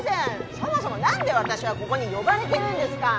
そもそも何で私はここに呼ばれてるんですか？